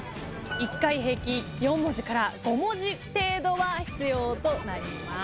１回平均４文字から５文字程度は必要となります。